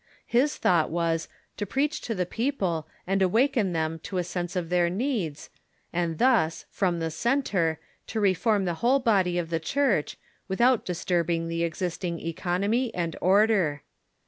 His thought was, to preach to the people, and awaken them to a sense of their needs, and thus, from the centre, to reform the whole body of the Church, Avithout disturbing the existing economy and order.